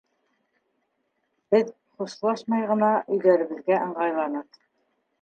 Беҙ хушлашмай ғына өйҙәребеҙгә ыңғайланыҡ.